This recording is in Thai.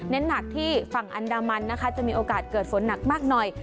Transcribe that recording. หนักที่ฝั่งอันดามันนะคะจะมีโอกาสเกิดฝนหนักมากหน่อย